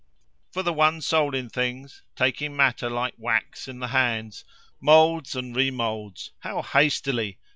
"For the one soul in things, taking matter like wax in the hands, moulds and remoulds—how hastily!